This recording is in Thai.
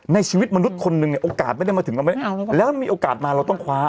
ในชีวิตมนุษย์คนหนึ่งเนี่ยโอกาสไม่ได้มาถึงเราแล้วมีโอกาสมาเราต้องคว้า